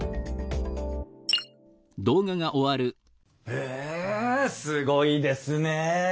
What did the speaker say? へえすごいですねえ。